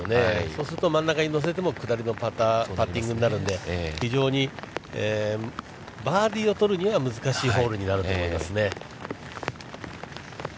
そうすると、真ん中に乗せても下りのパッティングになるので、非常にバーディーを取るには難しいホールになると思いますね。